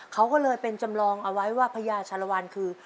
เขาก็เลยเป็นจำลองเอาไว้ว่าพญาชาลวันคือ